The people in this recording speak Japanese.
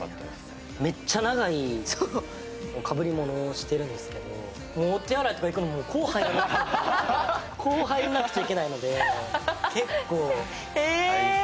めっちゃ長いかぶりものをしてるんですけどお手洗いとか行くのも、こう入らなくちゃいけないので、結構大変。